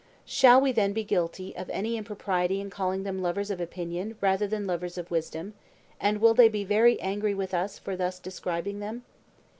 Shall we then be guilty of any impropriety in calling them lovers of opinion rather than lovers of wisdom, and will they be very angry with us for thus describing them?